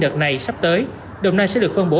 đợt này sắp tới đồng nai sẽ được phân bổ